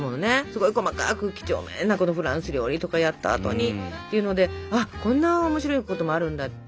すごい細かく几帳面なフランス料理とかやった後にというのであこんな面白いこともあるんだって。